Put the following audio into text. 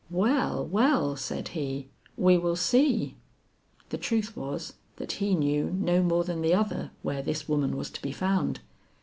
"Well, well," said he, "we will see." The truth was, that he knew no more than the other where this woman was to be found.